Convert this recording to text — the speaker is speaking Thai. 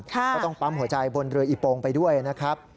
ก็ต้องปั๊มหัวใจบนเรืออีโปงไปด้วยนะครับ